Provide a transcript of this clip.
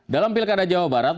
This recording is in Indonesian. dalam pilkada jawa barat